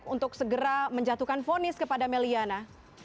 untuk segera menjatuhkan vonis kepada may liana